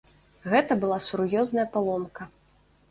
Гэта была сур'ёзная паломка.